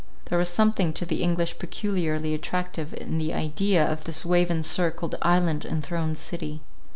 There was something to the English peculiarly attractive in the idea of this wave encircled, island enthroned city.